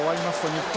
日本！